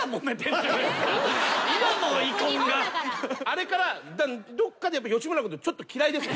あれからどっかで吉村のことちょっと嫌いです。